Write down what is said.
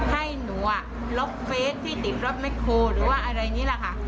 ให้หนูลบเฟสที่ติดรถแคลหรือว่าอะไรนี่แหละค่ะ